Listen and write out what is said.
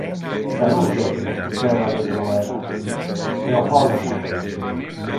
Salute! Diceva le puera, e holla.